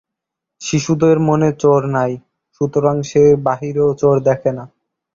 শিশুটির মনে চোর নাই, সুতরাং সে বাহিরেও চোর দেখে না।